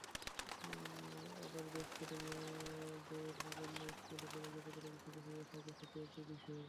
আবার ব্রেস্টফিডিং মায়েদের জন্য স্কুলে-কলেজে কতটুকু সুযোগ-সুবিধা থাকবে, সেটিও একটি বিষয়।